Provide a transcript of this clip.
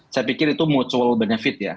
saya pikir itu mutual benefit ya